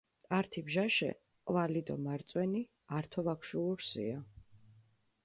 ართი ბჟაშე ჸვალი დო მარწვენი ართო ვაგშუურსია